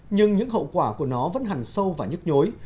nhưng những hậu quả của nó vẫn hẳn sâu và nhức nhối